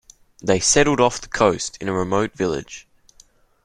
They settled off the coast in a remote village.